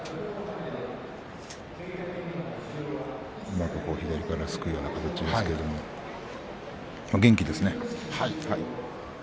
うまく左からすくうような形ですけれども、元気ですね。